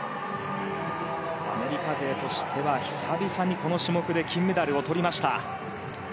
アメリカ勢としては久々にこの種目で金メダルをとりました。